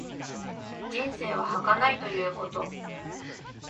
人生は儚いということ。